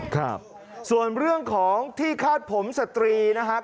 ครับส่วนเรื่องของที่คาดผมสตรีนะครับ